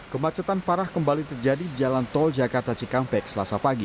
kemacetan parah kembali terjadi di jalan tol jakarta cikampek selasa pagi